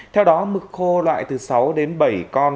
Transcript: theo đó mực khô loại từ sáu đến bảy con